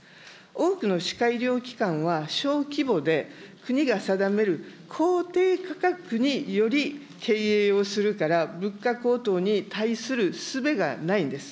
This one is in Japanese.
多くの歯科医療機関は小規模で、国が定める公定価格により経営をするから、物価高騰に対するすべがないんです。